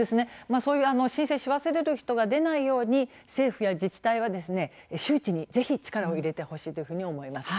そういう申請し忘れる人が出ないように政府や自治体は周知にぜひ力を入れてほしいと思います。